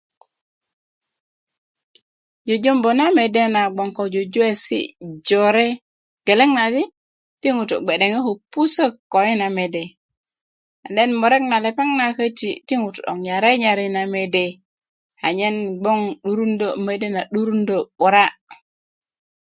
Jujumbu na mede na gboŋ ko jujuwesi jore geleŋ na do ti ŋutu gbedeŋe ko pusök ko yina mede then murek na lepeŋ köti ti ŋutu' nyare nyar yina mede anyen gboŋ 'durundö mede na 'durundö 'bira